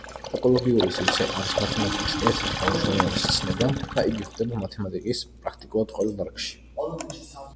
ტოპოლოგიური სივრცე არის მათემატიკის ერთ-ერთი უმნიშვნელოვანესი ცნება და იგი გვხვდება მათემატიკის პრაქტიკულად ყველა დარგში.